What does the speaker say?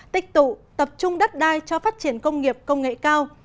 tích tụ tập trung đất đai cho phát triển công nghiệp công nghệ cao